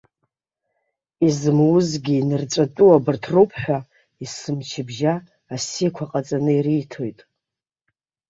Изымузгьы инырҵәатәу абарҭ роуп ҳәа, есымчыбжьа, асиақәа ҟаҵаны ириҭоит.